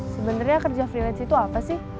sebenarnya kerja freelance itu apa sih